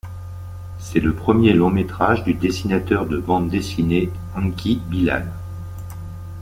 C'est le premier long-métrage du dessinateur de bande dessinée Enki Bilal.